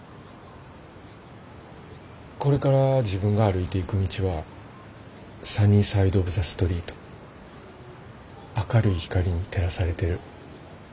これから自分が歩いていく道はサニー・サイド・オブ・ザ・ストリート明るい光に照らされてる。